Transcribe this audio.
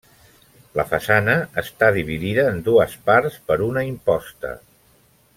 La façana està dividida en dues parts per una imposta.